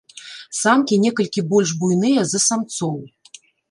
Самкі некалькі больш буйныя за самцоў.